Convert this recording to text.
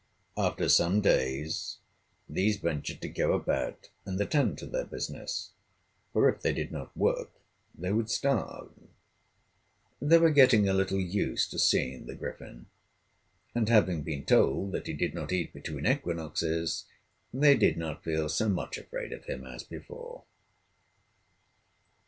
After some days these ventured to go about and attend to their business, for if they did not work they would starve. They were getting a little used to seeing the Griffin, and having been told that he did not eat between equinoxes, they did not feel so much afraid of him as before.